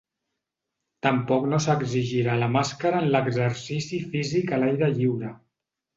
Tampoc no s’exigirà la màscara en l’exercici físic a l’aire lliure.